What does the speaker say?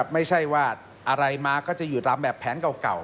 ไม่ใช่ว่าอะไรมาก็จะอยู่ตามแบบแผนเก่า